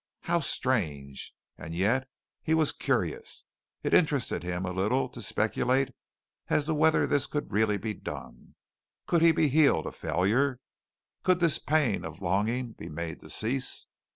How strange! And yet he was curious. It interested him a little to speculate as to whether this could really be done. Could he be healed of failure? Could this pain of longing be made to cease?